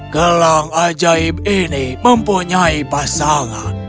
gelang ajaib ini mempunyai pasangan